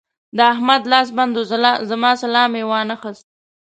د احمد لاس بند وو؛ زما سلام يې وانخيست.